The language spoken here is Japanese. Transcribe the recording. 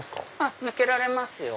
抜けられますよ。